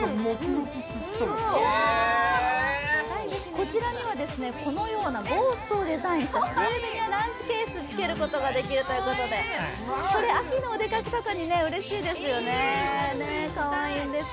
こちらにはこのようなゴーストをデザインしたスーベニアランチケースをつけることができるということでこれ秋のお出かけとかにうれしいですよね、かわいいんです。